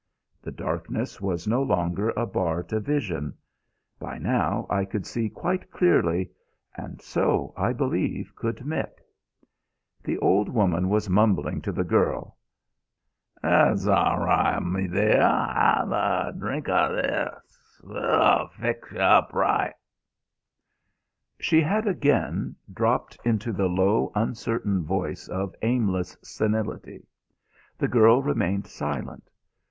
The darkness was no longer a bar to vision. By now I could see quite clearly; and so, I believe, could Mick. The old woman was mumbling to the girl. "'S aw ri', mi dear. 'Av' a drink o' this. W'll fix y'up aw ri'." She had again dropped into the low uncertain voice of aimless senility. The girl remained silent.